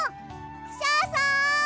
クシャさん！